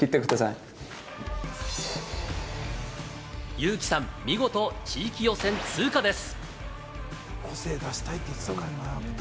裕貴さん、見事、地域予選通過です！